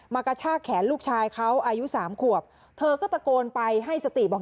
กระชากแขนลูกชายเขาอายุสามขวบเธอก็ตะโกนไปให้สติบอก